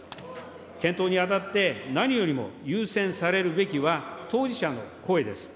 検討にあたって何よりも優先されるべきは、当事者の声です。